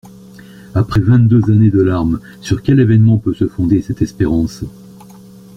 Après vingt-deux années de larmes, sur quel événement peut se fonder cette espérance ?